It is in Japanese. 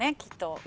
きっと。